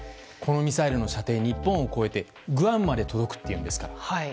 このミサイルの射程日本を越えてグアムまで届くっていうんですから。